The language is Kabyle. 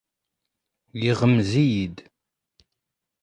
Yeɣmez-iyi-d.